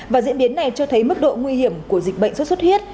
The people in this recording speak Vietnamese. và diễn biến này cho thấy mức độ nguy hiểm của dịch bệnh xuất xuất huyết